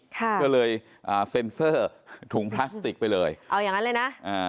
ก็เลยอ่าเซ็นเซอร์ถุงพลาสติกไปเลยเอาอย่างงั้นเลยนะอ่า